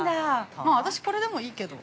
◆私これでもいいけど。